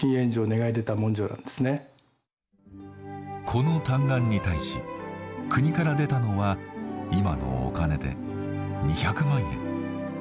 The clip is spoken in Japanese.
この嘆願に対し国から出たのは今のお金で２００万円。